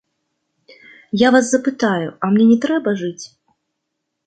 Я вас запытаю, а мне не трэба жыць?